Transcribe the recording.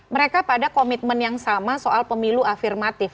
mereka pada komitmen yang sama soal pemilu afirmatif